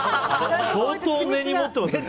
相当根に持ってますね。